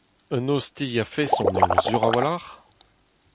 Un ostilh a-feson eo sur a-walc'h ?